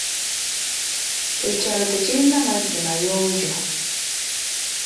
Ekyalo tekirina mazzi mayonjo.